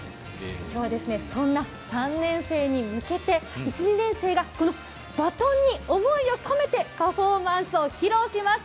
今日はそんな３年生に向けて１２年生がこのバトンに思いを込めてパフォーマンスを疲労します。